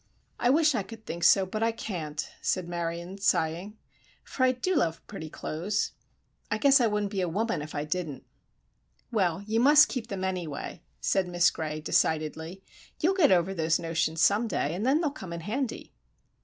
"I wish I could think so, but I can't," said Marion, sighing; "for I do love pretty clothes. I guess I wouldn't be a woman if I didn't." "Well, you must keep them, anyway," said Miss Gray, decidedly. "You'll get over those notions some day, and then they'll come in handy."